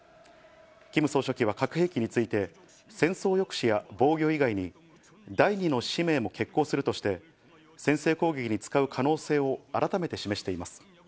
キム総書記は核兵器について、戦争抑止や防御以外に第２の使命も決行するとして、先制攻撃に使う可能性を改めて示しています。